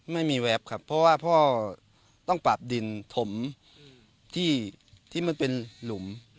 ไม่มีแวบครับเพราะว่าพ่อต้องปราบดินถมที่มันเป็นหลุม